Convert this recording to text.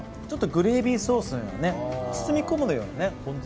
グレービーソースのような包み込むようなね